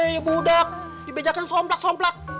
yee budak dibejakan somplak somplak